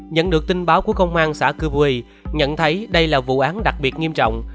nhận được tin báo của công an xã cư quỳ nhận thấy đây là vụ án đặc biệt nghiêm trọng